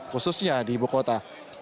khususnya di ibu kota